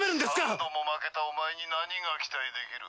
⁉三度も負けたお前に何が期待できる？